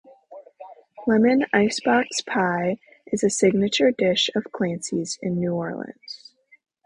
Lemon ice box pie is a signature dish of Clancy's in New Orleans.